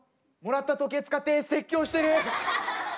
もらった時計使って説教してる。